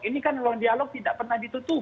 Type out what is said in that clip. ini kan ruang dialog tidak pernah ditutup